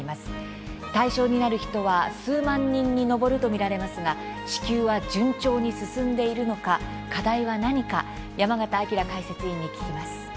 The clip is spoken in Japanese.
対象になる人は数万人に上ると見られますが支給は順調に進んでいるのか課題は何か山形晶解説委員に聞きます。